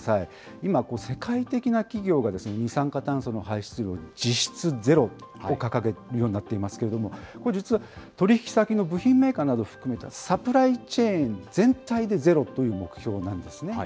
今、世界的な企業が二酸化炭素の排出量の実質ゼロを掲げるようになっていますけれども、これ、実は取り引き先の部品メーカーなどを含めたサプライチェーン全体でゼロという目標なんですね。